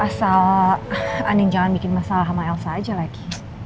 asal unin jangan bikin masalah sama elsa aja lagi